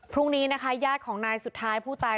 พรุ่งนี้นะคะญาติของนายสุดท้ายผู้ตาย